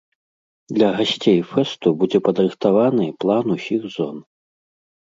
Для гасцей фэсту будзе падрыхтаваны план усіх зон.